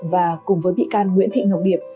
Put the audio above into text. và cùng với bị can nguyễn thị ngọc điệp